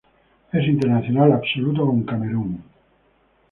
Es internacional absoluto con Camerún.